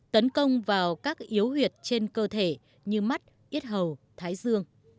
tấn công vào các yếu huyệt trên cơ thể như mắt ít hầu